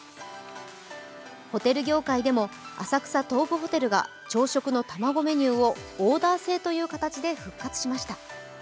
ホテル業界でも浅草東武ホテルが朝食の卵メニューをオーダー制という形で復活しました。